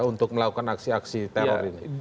untuk melakukan aksi aksi teror ini